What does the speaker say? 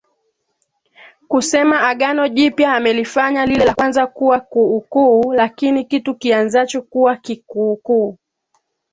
kusema Agano jipya amelifanya lile la kwanza kuwa kuukuu Lakini kitu kianzacho kuwa kikuukuu